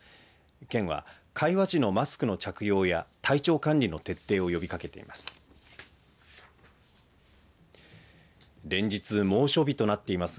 県は会話時のマスクの着用や体調管理の徹底を呼びかけています。